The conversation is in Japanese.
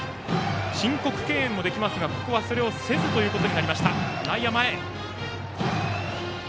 申告敬遠もできますがここはそれをせずということになりました。